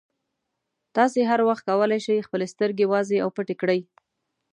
تاسې هر وخت کولای شئ خپلې سترګې وازې او پټې کړئ.